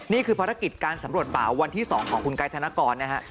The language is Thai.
นี่คือภารกิจการสำรวจป่าวันที่๒ของคุณไกดธนกรนะฮะ